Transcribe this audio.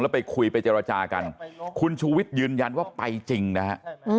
ไปคุยไปเจรจากันคุณชูวิทย์ยืนยันว่าไปจริงนะฮะ